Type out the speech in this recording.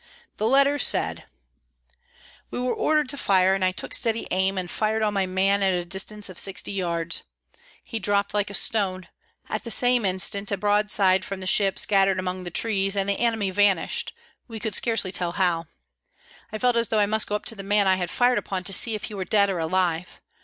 The letter said: "We were ordered to fire, and I took steady aim and fired on my man at a distance of sixty yards. He dropped like a stone, at the same instant a broadside from the ship scattered among the trees, and the enemy vanished, we could scarcely tell how. I felt as though I must go up to the man I had fired upon to see if he were dead or alive.